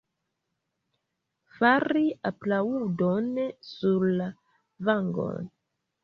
Fari aplaŭdon sur la vangon.